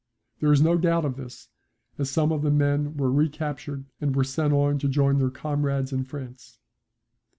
There is no doubt of this, as some of the men were recaptured and were sent on to join their comrades in France.